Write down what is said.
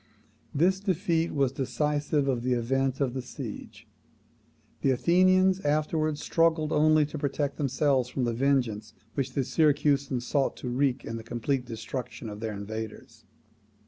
This defeat was decisive of the event of the siege. The Athenians afterwards struggled only to protect themselves from the vengeance which the Syracusans sought to wreak in the complete destruction of their invaders.